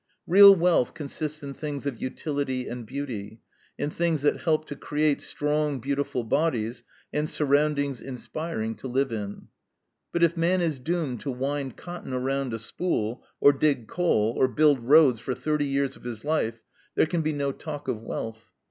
Real wealth consists in things of utility and beauty, in things that help to create strong, beautiful bodies and surroundings inspiring to live in. But if man is doomed to wind cotton around a spool, or dig coal, or build roads for thirty years of his life, there can be no talk of wealth.